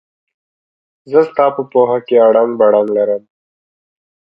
زه ستا په پوهه کې اړنګ بړنګ لرم.